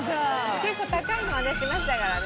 結構高いのはねしましたからね。